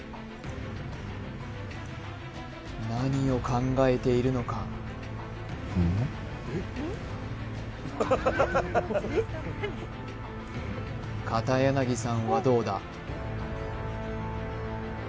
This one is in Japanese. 何を考えているのか片柳さんはどうだ？